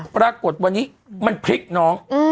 ปรากฏวันนี้มันพลิกน้อง